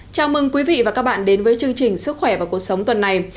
chào mừng quý vị và các bạn đến với chương trình sức khỏe và cuộc sống tuần này